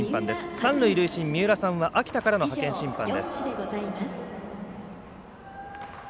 三塁塁審三浦さんは秋田からの派遣審判です。